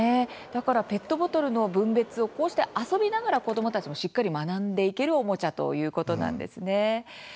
だから、ペットボトルの分別をこうして遊びながら子どもたちもしっかり学んでいけるおもちゃということなんですね。